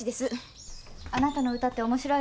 あなたの歌って面白いわよ。